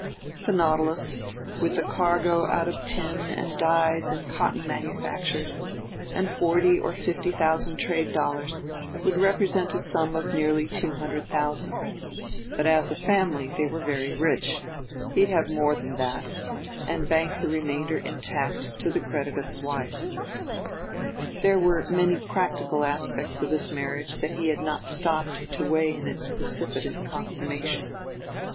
The Nautilus, with a cargo out of tin and dyes and cotton manufactures, and forty or fifty thousand trade dollars, would represent a sum of nearly two hundred thousand; but as a family they were very rich; he'd have more than that; and bank the remainder intact to the credit of his wife. There were many practical aspects of his marriage that he had not stopped to weigh in its precipitant consummation.